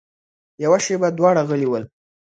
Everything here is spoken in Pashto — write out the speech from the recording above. يوه شېبه دواړه غلي ول.